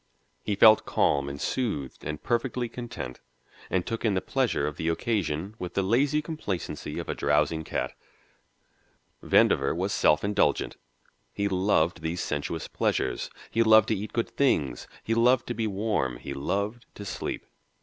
He felt calm and soothed and perfectly content, and took in the pleasure of the occasion with the lazy complacency of a drowsing cat. Vandover was self indulgent he loved these sensuous pleasures, he loved to eat good things, he loved to be warm, he loved to sleep.